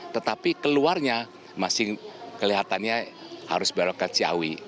tetapi keluarnya masih kelihatannya harus belok ke ciawi